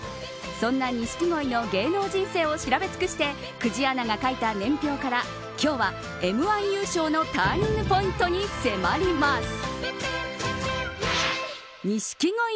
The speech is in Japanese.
そんな錦鯉の芸能人生を調べ尽くして久慈アナが書いた年表から今日はＭ‐１優勝のターニングポイントに迫ります。